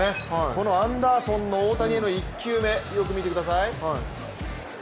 このアンダーソンの大谷への１球目、よく見てください。